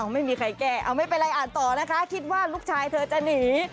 ไม่มีใครแก้เอาไม่เป็นไรอ่านต่อนะคะคิดว่าลูกชายเธอจะหนี